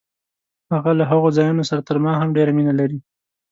هغه له هغو ځایونو سره تر ما هم ډېره مینه لري.